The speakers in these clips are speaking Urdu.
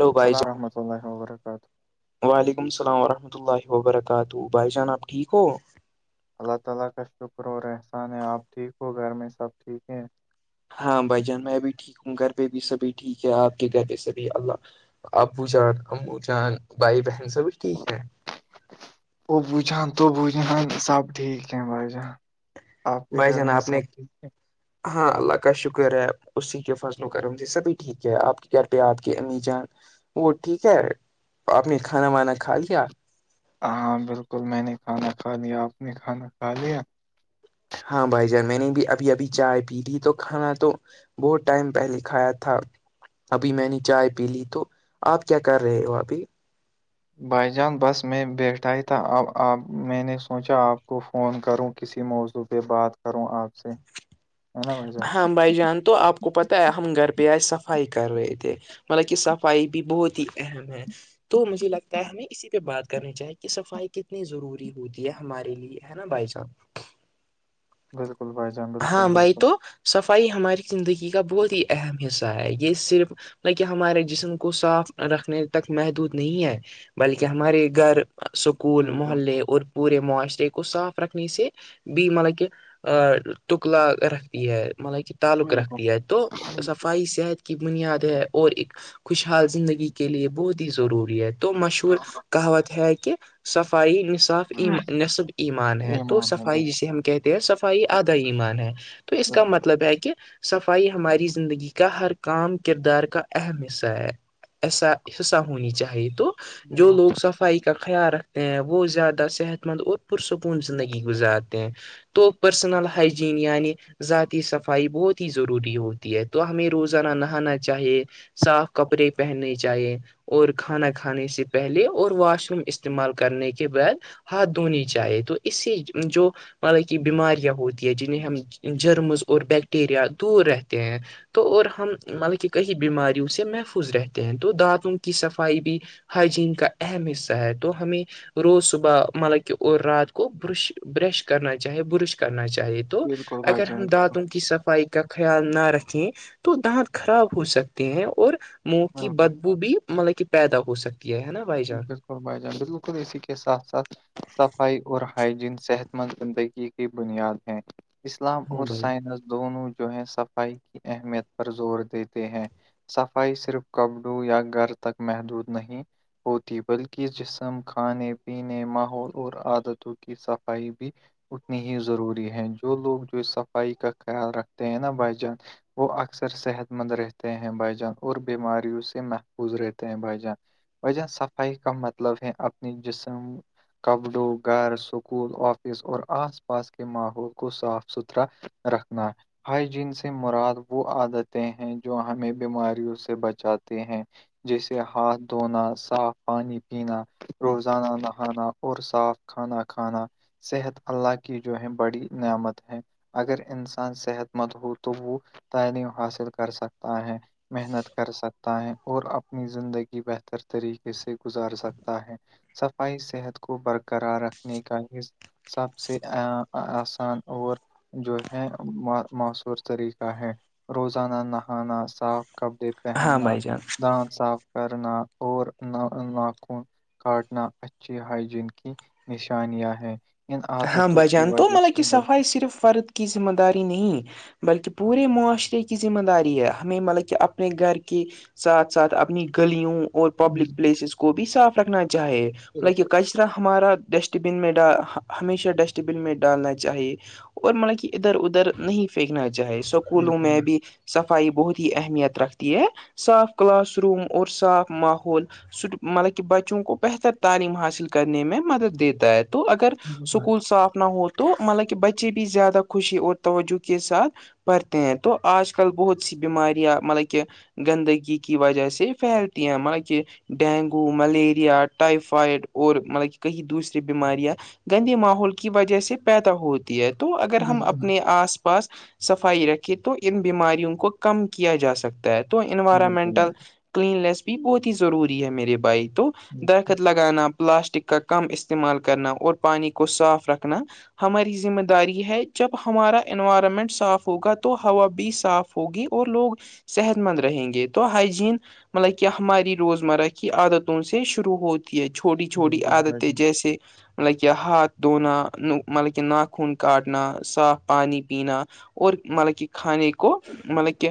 ہلو بھائی السلام جان رحمۃ اللہ و برکاتہ وعلیکم السلام ورحمۃ اللہ وبرکاتہ بھائی جان آپ ٹھیک ہو اللہ تعالی کا شکر اور احسان ہے اپ ٹھیک ہو گھر میں سب ٹھیک ہیں ہاں بھائی جان میں بھی ٹھیک ہوں گھر پہ بھی سبھی ٹھیک ہے آپ کے گھر پہ سبھی اللہ ابو جان امبو جان بھائی بہن سبھی ٹھیک ہے وہ بوجھہان تو بوجھہ سب ٹھیک کی باجان بھائی جانا آپ نے ہاں اللہ کا شکر ہے اس سے کی فصلوں کر ان سے سبھی ٹھیک ہے آپ کے گھر پہ آد کے امی جان وہ ٹھیک ہے آپ نے کھانا وانا کھا لیا ہاں بالکل میں نے کھانا کھا لیا آپ نے کھانا کھا لیا ہاں بھائی جان میں نے بھی ابھی ابھی چائے پی لی تو کھانا تو بہت ٹائم پہلے کھایا تھا ابھی میں نے چائے پی لی تو آپ کیا کر رہے ہو ابھی بھائی جان بس میں بیٹھا ہی تھا آپ میں نے سوچا آپ کو فون کروں کسی موضوع پر پ بات کروں آپ سے ہے نا بھائی جان ہاں بھائی جان تو آپ کو پتہ ہے ہم گھر پہ آئے صفائی کر رہے تھے مطلب کہ صفائی بھی بہت ہی اہم ہے تو مجھے لگتا ہے ہمیں اسی پہ بات کرنی چاہی کہ صفائی کتنی ضروری ہے ہوتی ہے ہمارے لیے ہے نا بائی جان بالکل بائی جان بالکل بھائی بالکل تو صفائی ہماری زندگی کا بہت ہی اہم حصہ ہے یہ صرف بکہ ہمارے جسم کو صاف رکھنے تک محدود نہیں ہے بلکہ ہمارے گھر سکول بالکل محلے اور پورے موسچر کو صاف رکھنی سے بھی مطلب کہہ تکلا رکھ مطلب کہ تعلق بالکل رکھتی ہے تو بالکل بالکل صفائی صحت کی بنیاد ہے اور ایک خوشحال زندگی کے لیے بہت ہی ضروری ہے تو مشہور کہاوت ہے کہ صفائی نصاف ای نصب ایمان ہے تو ایمان ہے صفائی بالکل جسے ہم کہتے ہے صفائی آدھا ایمان ہے تو اس کا بالکل مطلب ہے کہ صفائی ہماری زندگی کا ہر کام کردار کا اہم حصہ ہے ایسا حصہ ہونی چاہیے تو جو لوگ بالکل صفائی کا خیال رکھتے ہیں وہ زیادہ صحت مند اور پرسکون زندگی گزارتے ہیں تو پرسنل ہائجین یعنی ذاتی صفائی بہت ہی ضروری ہوتی ہے تو ہمیں روزانہ نہانا چاہیے صاف کپڑے پہننے چاہیے اور کھانا کھانے سے پہلے اور واش روم استعمال کرنے کے بعد ہاتھ دھونی چاہیے تو اس سے جو مطلب کہ بیماریاں ہوتی ہے جنہیں ہم جرمز اور بیکٹیریا دور رہتے ہیں تو اور ہم مطلب کہ کئی بیماریوں سے محفوظ رہتے ہیں تو دانتوں کی صفائی بھی ہائجین کا اہم حصہ ہے تو ہمیں روز صبح مطلب کہ اور رات کو برش برش کرنا چاہے برش کرنا چاہی بالکل بھائی جان ہم بالکل دانتوں کی صفائی کا خیال نہ رکھیں تو دانت خراب ہو سکتے ہیں اور منہ کی بالکل بدبو بھی مطلب کہ پیدا ہو سکتی ہے نا بھائی جان بلکل اور بھائی جان بالکل اسی کے ساتھ ساتھ صفائی اور ہائجین صحت مند زندگی بنیاد ہیں اسلام ہاں اور بھائی سائنس دونوں جو ہے صفائی کی اہمیت پر زور دیتے ہیں صفائی صرف کپڑو یا گھر تک محدود نہیں ہوتی بلکہ جسم کھانے پینے ماحول اور عادتوں کی صفائی بھی اتنی ہی ضروری ہے جو لوگ جو صفائی کا خیال رکھتے ہیں نا بھائی جان وہ اکثر صحت مند رہتے ہیں بھائی جان اور بیماریوں سے محفوظ رہتے ہیں بھائی جان وجہ صفائی کا مطلب ہے اپنی جسم کپڑوں گھر سکول آفس اور آس پاس کے ماحول کو صاف ستھرا رکھنا ہائیجین سے مراد وہ عادتیں ہیں جو ہمیں بیماریوں سے بچاتے ہیں جیسے ہاتھ دھونا صاف پانی پینا روزانہ نہانا اور صاف کھانا کھانا صحت اللہ کی جو ہے بڑی نعمت ہے اگر انسان صحت مت ہو تو وہ تعلیم حاصل کر سکتا ہے محنت کر سکتا ہے اور اپنی زندگی بہتر طریقے سے گزار سکتا ہے صفائی صحت کو برقرار رکھنے کا ہی سب سے آسان اور جو ہے موصور طریقہ ہے روزانہ نہانا صاف کپڑے ہاں پہننا بھائی جان دان صاف کرنا اور نہ ناک کاٹنا اچھی ہائجین کی نشانیاں ہے ہاں بھجان تو مطلب کہ صفائی صرف فرد کی ذمہ داری نہیں بلکہ پورے معاشرے کی ذمہ داری ہے ہمیں مطلب کہ اپنے گھر کی ساتھ ساتھ اپنی گلیوں اور پبلک بالکل پلیسز کو بھی صاف رکھنا چاہے مطلب کہ بالکل کش طرا ہمارا ڈسٹ بین میں ڈا ہمیشہ ڈسٹ بن میں ڈالنا چاہیے اور مطلب کہ ادھر ادھر نہیں پھینکنا چاہے سو کولوں میں بالکل بھی صفائی بہت ہی اہمیت رکھتی ہے صاف کلاس روم اور صاف ماحول مطلب کہ بچوں کو بہتر تعلیم حاصل کرنے میں مدد دیتا ہے تو اگر اسکول صاف نہ ہو تو مطلب کہ بچے بھی زیادہ خوشی اور توجہ کے ساتھ پڑھتے ہیں تو آج کل بہت سی بیماریاں مطلب کہ گندگی کی وجہ سے پھیلتی ہیں ہمار کہ ڈینگو ملیریا ٹائفائڈ اور مطلب کہ کہیں دوسری بیماریاں گندے ماحول کی وجہ سے پیدا ہوتی ہے تو اگر ہم بالکل اپنے آس پاس سفائی رکھے تو ان بیماریوں کو کم کیا جا سکتا ہے تو بالکل انوائرمنٹل بالکل کلیننیس بھی بہت ہی ضروری ہے میرے بھائی تو درخت لگانا پلاسٹک کا کم استعمال کرنا اور پانی کو صاف رکھنا ہماری ذمہ داری ہے جب ہمارا انوائرمنٹ صاف ہوگا تو ہوا بھی صاف ہوگی اور لوگ صحت مند رہیں گے تو ہائجین مطلب کہ ہماری روزمرہ کی عادتوں سے شروع ہوتی ہے چھوٹی چھوٹی بالکل بھائی عادتیں جان جیسے مطلب کہہ ہاتھ دھووننا مطلب کہہ ناک ہون کاٹنا صاف پانی پینا اور مطلب کہ کھانے کو مطلب کہ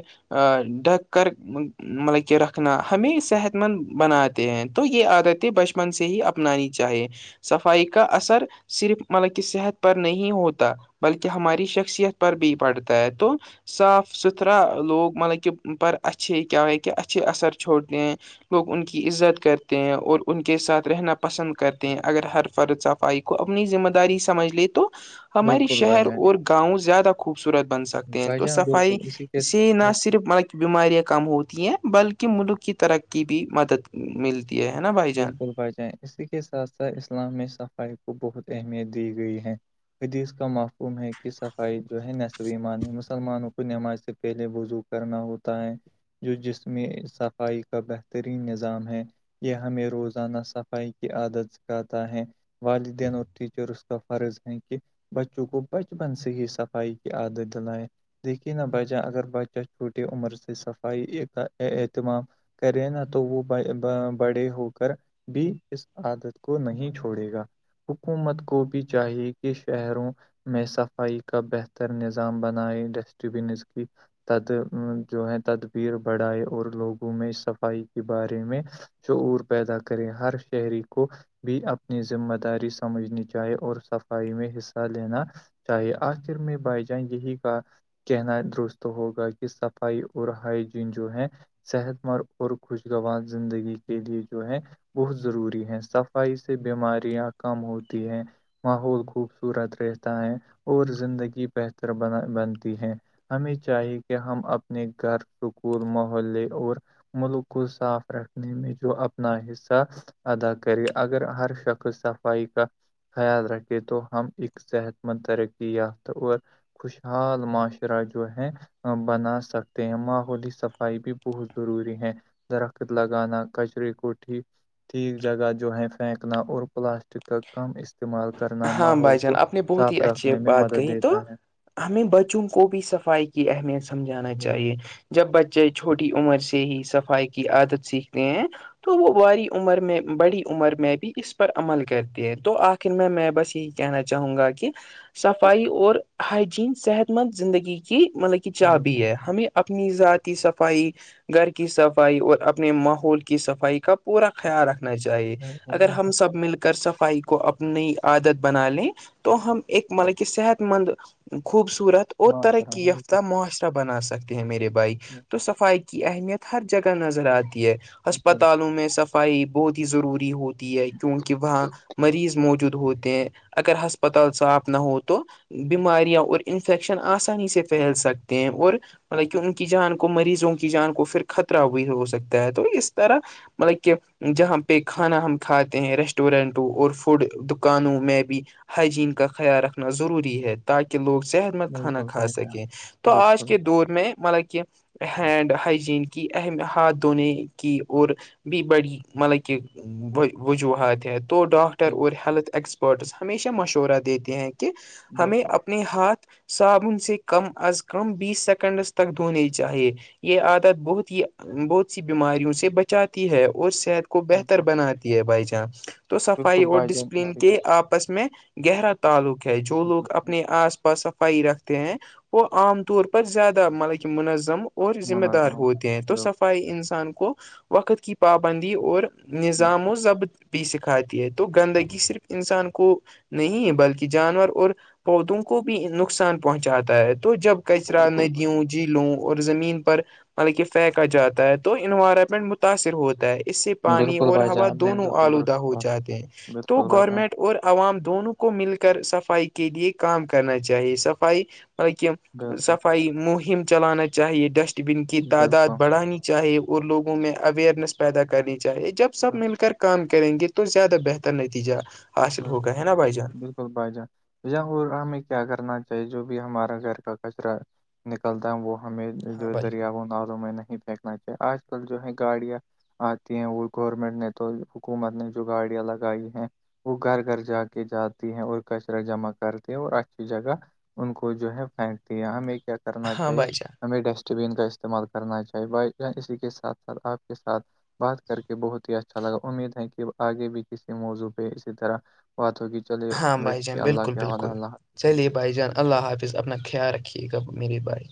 ڈھک کر مطلب کہ رکھنا ہمیں صحت مند بناتے ہیں تو یہ عادت بچپن سے ہی اپنانی چاہیے سفر صفائی کا اثر صرف مطلب کہ صحت پر نہیں ہوتا بلکہ ہماری شخصیت پر بھی پڑتا ہے تو صاف ستھرا لوگ مطلب کہ پر اچھھی کیا کہ اچھھی اثر چھوٹ دیں ہیں لوگ ان کی عزت کرتے ہیں اور ان کے ساتھ رہنا پسند کرتے ہیں اگر ہر فرت صفائی کو اپنی ذمہ داری سمجھ لے تو ہماراری بالکل بھائی شہر جان اور گاؤں زیادہ خوبصورت بن سکتے ہیں بھائی تو جان صفائی بالکل اسی کے اس نہ بالکل صرف مطب بیماریاں کم ہوتی ہیں بلکہ ملک کی ترقی بھی مدد ملتی ہے نا بھائی جان بالکل بڑھ جائیں اسی کے ساتھ ساتھ اسلام میں صفائی کو بہت اہمیت دی گئی ہے حدیس کا معفوم ہے کہ صفائی جو ہے نصبی مان مسلمانوں کو نماز سے پہلے بزوگ کرنا ہوتا ہے جو جسم میں صفائی کا بہترین نظام ہے یہ ہمیں روزانہ صفائی کی عادت سکھاتا ہے والدین اور ٹیچر کا فرض ہے کہ بچوں کو بچپن سے ہی صفائی کی عادت دلائیں دیکھیے نہا بچہ اگر بچہ چھوٹی عمر سے صفائی کا اہتمام کرے نا تو وہ ب بڑے ہو کر بھی اس عادت کو نہیں چھوڑے گا حکومت کو بھی چاہیے کہ شہروں میں صفائی کا بہتر نظام بنائے ڈسٹ بینز کی تد جو ہے تدبیر بڑھائے اور لوگوں میں صفائی کے بارے میں شعور پیدا کریں ہر شہری کو بھی اپنی ذمہ داری سمجھنی چاہی اور صفائی میں حصہ لینا چاہیے آخر میں بائی جان یہی کا کہنا درست ہوگا کہ صفائی اور ہائیجین جو ہے صحت مند اور خوشگوار زندگی کے لیے جو ہے بہت ضروری ہے صفائی سے بیماریاں کم ہوتی ہیں ماحول خوبصورت رہتا ہے اور زندگی بہتر بنا بنتی ہے ہمیں چاہیے کہ ہم اپنے گھر سکول محلے اور ملک کو صاف رکھنے میں جو اپنا حصہ ادا کرے اگر ہر شخص صفائی کا خیال رکھے تو ہم ا صحت مند ترقی یافتہ اور خوشحال معاشرہ جو ہے بنا سکتے ہیں ماحولی صفائی بھی بہت ضروری ہے درخت لگانا کچرے کوٹھی ٹھیک جگہ جو ہے پھینکنا اور پلاسٹ کا کم استعمال کرنا ہاں ماحول بھائی جان کو آپ نے بہت ہی صاف اچھی رکھنے میں بات مدد کہی تو دیتا ہے ہمیں بچوں کو بھی صفائی کی اہمیت سمجھانا بالکل چاہیے جب بچے چھوٹی عمر سے ہی صفائی کی عادت سیکھتے ہیں تو وہ واری عمر میں بڑی عمر میں بھی اس پر عمل کرتے تو آخر میں میں بس یہی کہنا چاہوں گا کہ صفائی اور ہائجین صحت مند زندگی کی مطلب کی چابابی ہے ہمیں اپنی ذاتی صفائی گھر کی صفائی اور اپنے ماحول کی صفائی کا پورا خیال رکھ چاہیے اگر ایسا ہم سب مل کر سب بھائی کو اپنی عادت بنا لیں تو ہم ایک مطلب کہ صحت مند خوبصورت اور معاشرہ ترقی یافتہ بالکل معاشر بنا سکتے ہیں میرے بائائیک تو صفائی کی اہمیت ہر جگہ نظر آتی ہے بالکل ہسپتالوں میں صفائی بہت ہی ضروری ہوتی ہے کیونکہ وہاں مریض موجود ہوتے ہیں اگر ہسپتال صاف نہ ہو تو بیماریاں اور انفیکشن آسانی سے پھیل سکتے ہیں اور مطلب کہ ان کی جان کو مریضوں کی جان کو پھر خطرہ بھی بھی ہو سکتا ہے تو اس طرح مطلب کہ جہاں پہ کھانا ہم کھاتے ہیں ریسٹورینٹ اور فوڈ دکانوں میں بھی ہائجین کا خیال رکھنا ضروری ہے تاکہ لوگ صحت مند کھانا بالکل کھا بھائی صاحب سکیں تو آج بالکل کے دور میں مطلب کہ ہینڈ ہائجین کی اہم ہاتھ دونے کی اور بھی بڑی مطلب کہ وجوہات ہت تو ڈاکٹر بالکل اور ہیلتھ ایکسپرٹس ہمیشہ مشورہ دیتے ہیں کہ ہمیں اپ اپنے ہاتھ صابن سے کم از کم بیس سیکنڈز تک دھونے چاہیے یہ عادت بہت ہی بہت سی بیماریوں سے بچاتی ہے اور صحت کو بہتر بناتی ہے بھائی جان تو بالکل سفائی بالکل اور بھائی جان اس ڈسپلین سے کے آپس میں گہرا تعلق ہے جو لوگ اپنے آس پاس پائی رکھتے ہیں وہ عام طور پر زیادہ مطلب کہ منظم اور ذمہ دار منظم ہوتے ہیں تو بالکل صفائی انسان کو وقت کی پابندی اور نظام و بالکل ضبط بھی سکھاتی ہے تو گندگی صرف انسان کو نہیں بلکہ جانور اور پودوں کو بھی نقصان پہنچاتا ہے تو جب کچرا بالکل بھائی، ندیوں جیلوں اور زمین پر مطلب کہ پھینکا جاتا ہے تو انوائرمنٹ متاثر ہوتا ہے اس سے پانی بالکل اور بھائی ہوا جان آپ نے دونوں بالکل آلودہ درست ہو بات جاتے ہیں تو بالکل بھائی جان گورنمنٹ اور عوام دونوں کو مل کر صفائی کے لیے کام کرنا چاہیے صفائی مطلب کہ بالکل صفائی مہم چلانا چاہیے ڈسٹ بین کی تعداد بالکل بڑھانے چاہے اور لوگوں میں اویئرنیس پیدا کرنی چاہے جب سب مل کر کام کر کریں گے تو زیادہ بہتر نتیجہ حاصل ہاں ہوگا ہاں ہے نا بھائی جان بال بھائی جان ہمیں کیا کرنا چاہیے جو بھی ہمارا گھر کا کچرا نکلتا ہے وہ ہمیں ہاں جو بھائی جان دریاؤں نالوں میں نہیں پھینکنا چاہیے آج کل جو ہے گاڑیاں آتی ہیں وہ گورنمنٹ نے تو حکومت نے جو گاڑیاں لگائی ہیں وہ گھر گھر جا کے جاتی ہیں اور کچرا جمع کرتے ہیں اور اچھی جگہ ان کو جو ہے پھینکتی ہے ہمیں کیا کرنا ہاں چاہیے بھائی جان ہمیں ڈسٹ ٹبین کا استعمال کرنا چاہیے بھائی جان اسی کے ساتھ ساتھ آپ کے ساتھ بات کر کے بہت ہی اچھا لگا امید ہے کہ آگے بھی کسی موضوع اسی طرح بات ہوگی چلے بیٹھیے اللہ کے حوالے اللہ حافظ چلے بھائی جان اللہ حافظ اپنا خیال رکھیے گا میرے بھائی